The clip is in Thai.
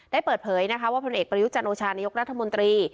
ได้เปิดเผยว่าผู้นำเอกประยุทธ์จันโอชานายกรัฐมนตรี